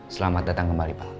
selamat datang kembali pak